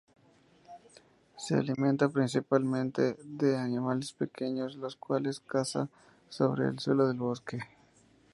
Se alimenta principalmente de animales pequeños, los cuales caza sobre el suelo del bosque.